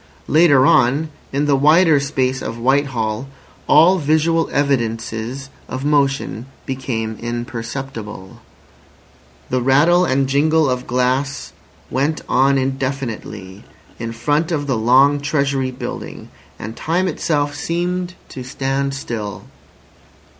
Later on, in the wider space of Whitehall, all visual evidences of motion became imperceptible. The rattle and jingle of glass went on indefinitely in front of the long Treasury building—and time itself seemed to stand still.